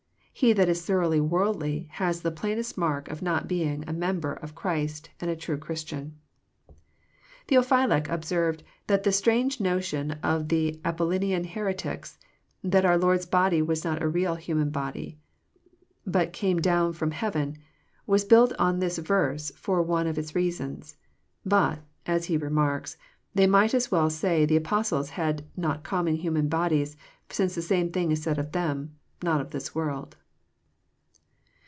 He that is thoroughly worldly has the plainest mark of not being a member of Christ and a true Christian. Theopbylact observes that the strange notion of the Apollina rian heretics, that oar Lord's body was not a real human body, but came down ft'om heaven, was built on this verse for one of its reasons. But, as he remarks, they might as well say the Apostles had not common human bodies, since the same thing is said of them —" not of this world."